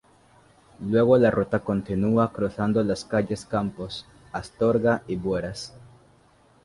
Luego la ruta continúa cruzando las calles Campos, Astorga y Bueras.